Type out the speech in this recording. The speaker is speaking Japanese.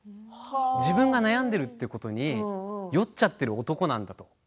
自分が悩んでいることに酔っちゃってる男なんだと。